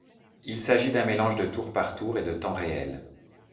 Il s'agit d'un mélange de tour par tour et de temps réel.